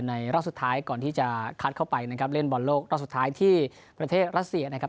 รอบสุดท้ายก่อนที่จะคัดเข้าไปนะครับเล่นบอลโลกรอบสุดท้ายที่ประเทศรัสเซียนะครับ